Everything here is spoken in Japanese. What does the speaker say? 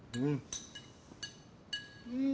うん。